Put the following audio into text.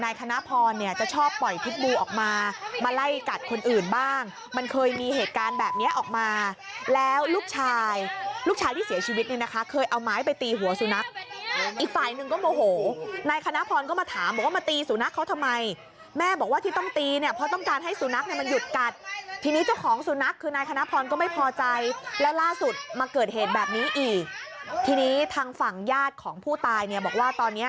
อยู่อื่นบ้างมันเคยมีเหตุการณ์แบบนี้ออกมาแล้วลูกชายลูกชายที่เสียชีวิตเนี่ยนะคะเคยเอาไม้ไปตีหัวสูนักอีกฝ่ายนึงก็โมโหนายคณพรก็มาถามว่ามาตีสูนักเขาทำไมแม่บอกว่าที่ต้องตีเนี่ยเพราะต้องการให้สูนักมันหยุดกัดทีนี้เจ้าของสูนักคือนายคณพรก็ไม่พอใจแล้วล่าสุดมาเกิดเหตุแบบนี้อีกที